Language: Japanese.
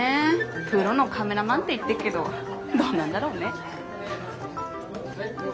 プロのカメラマンって言ってっけどどうなんだろうね？